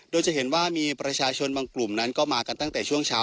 โดยจะเห็นว่ามีประชาชนบางกลุ่มนั้นก็มากันตั้งแต่ช่วงเช้า